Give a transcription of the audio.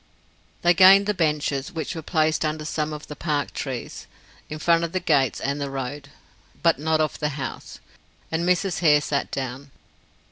They gained the benches, which were placed under some of the park trees, in front of the gates and the road, but not of the house, and Mrs. Hare sat down.